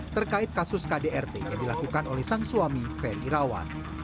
terkait kasus kdrt yang dilakukan oleh sang suami ferry rawan